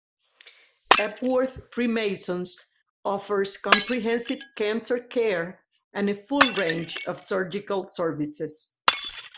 Epworth Freemasons offers comprehensive cancer care, and a full range of surgical services.